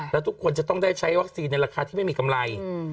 แล้วทุกคนจะต้องได้ใช้วัคซีนในราคาที่ไม่มีกำไร